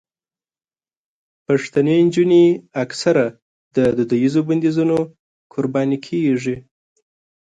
پښتنې نجونې اکثره د دودیزو بندیزونو قرباني کېږي.